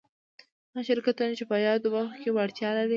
هغه شرکتونه چي په يادو برخو کي وړتيا ولري